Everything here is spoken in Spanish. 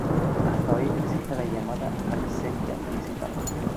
Hasta hoy existe la llamada Acequia Municipal.